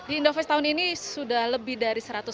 di indofest tahun ini sudah lebih dari seratus brand yang ada di sini